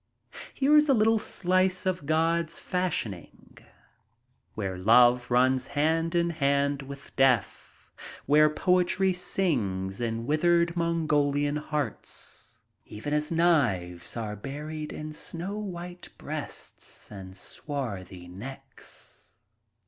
Here is a little slice of God's fashioning, where love runs hand in hand with death, where poetry sings in withered Mongolian hearts, even as knives are buried in snow white breasts and swarthy necks.